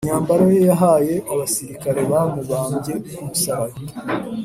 imyambaro ye yahawe abasirikare bamubambye ku musaraba